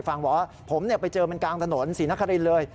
ฟังบอกว่าผมไปเจอมันกลางถนนศรีนครินเลย